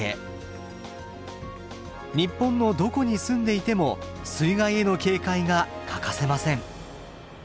日本のどこに住んでいても水害への警戒が欠かせません。